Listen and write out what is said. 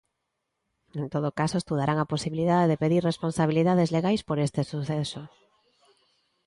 En todo caso estudarán a posibilidade de pedir responsabilidades legais por este suceso.